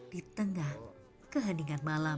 di tengah keheningan malam